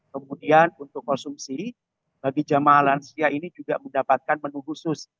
kemudian untuk konsumsi bagi jemaah lansia ini juga mendapatkan menu khusus